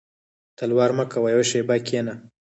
•تلوار مه کوه یو شېبه کښېنه.